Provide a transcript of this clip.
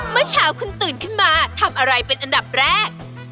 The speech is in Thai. เมื่อเช้าคุณตื่นขึ้นมาทำอะไรเป็นอันดับแรก